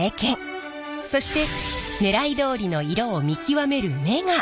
そしてねらいどおりの色を見極める目が大切なんです。